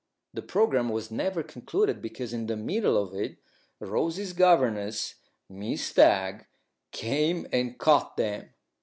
The programme was never concluded, because, in the middle of it, Rose's governess, Miss Stagg, came and caught them.